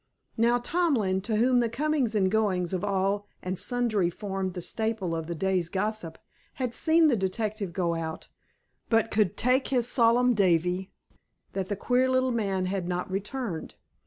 Now, Tomlin, to whom the comings and goings of all and sundry formed the staple of the day's gossip, had seen the detective go out, but could "take his sollum davy" that the queer little man had not returned.